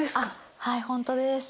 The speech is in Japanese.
はいホントです。